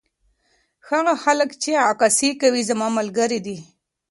هغه هلک چې عکاسي کوي زما ملګری دی.